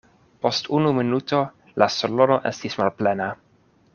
Post unu minuto la salono estis malplena.